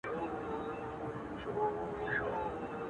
ستا له تصويره سره~